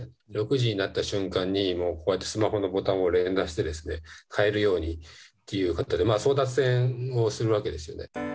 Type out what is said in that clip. ６時になった瞬間に、もう、こうやってスマホのボタンを連打して、買えるようにっていうことで、争奪戦をするわけですよね。